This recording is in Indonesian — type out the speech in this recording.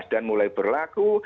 dan mulai berlaku